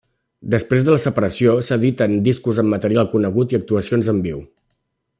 Després de la separació s'editen discos amb material conegut i actuacions en viu.